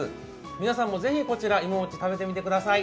皆さんもぜひいももち、食べてみてください。